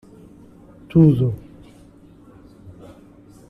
Tudo.